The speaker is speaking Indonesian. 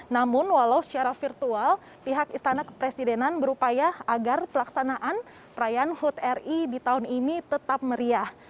namun walau secara virtual pihak istana kepresidenan berupaya agar pelaksanaan perayaan hut ri di tahun ini tetap meriah